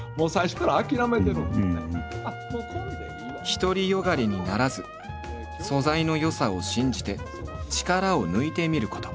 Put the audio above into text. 独りよがりにならず素材の良さを信じて力を抜いてみること。